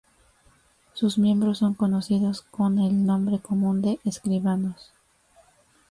Sus miembros son conocidos con el nombre común de escribanos.